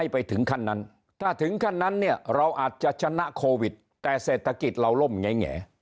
ไปถึงขั้นนั้นถ้าถึงขั้นนั้นเนี่ยเราอาจจะชนะโควิดแต่เศรษฐกิจเราล่มแง่